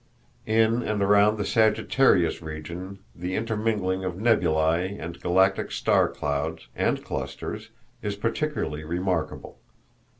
In and around the Sagittarius region the intermingling of nebulæ and galactic star clouds and clusters is particularly remarkable.